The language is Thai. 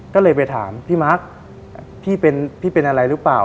ก็เลยไปถามพี่มาร์คพี่เป็นอะไรหรือเปล่า